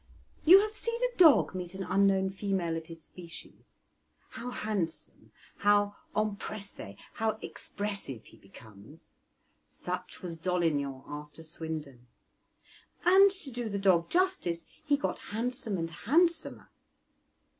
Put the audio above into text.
You have seen a dog meet an unknown female of his species; how handsome, how empresse, how expressive he becomes: such was Dolignan after Swindon, and, to do the dog justice, he got handsome and handsomer.